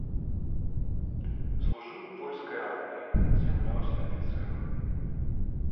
Служыў у польскай арміі, з'яўляўся афіцэрам.